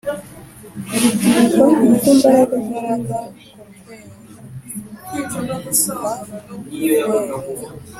Nkurusha imbaraga kurwegw rwo hejuru